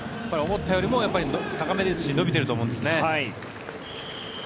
思ったよりも、高めですし伸びてると思うんですね。